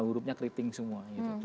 hurufnya keriting semua gitu